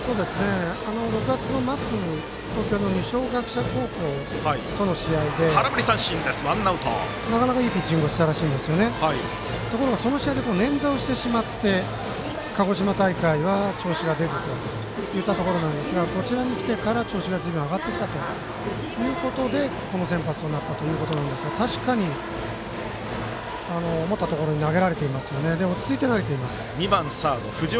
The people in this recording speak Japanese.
６月の末東京の二松学舎高校との試合でなかなかいいピッチングをしたそうでその試合でねんざをしてしまって鹿児島大会が調子が出ずといったところだったんですがこちらにきてから調子がずいぶん上がってきたということでこの先発となったということで確かに思ったところに投げられています。